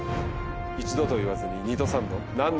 一度と言わずに二度三度。